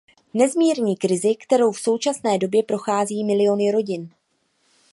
Nezmírní krizi, kterou v současné době prochází miliony rodin.